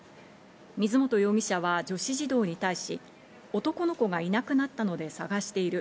水本容疑者は女子児童に対し、男の子がいなくなったので捜している。